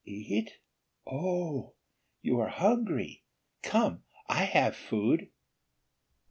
"Eat? Oh, you are hungry! Come! I have food."